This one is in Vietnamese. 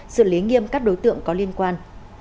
xử lý nghiêm các đối tượng có liên quan